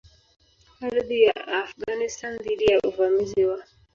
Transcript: Ardhi ya Afghanistan dhidi ya uvamizi wa